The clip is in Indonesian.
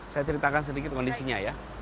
saya ceritakan sedikit kondisinya ya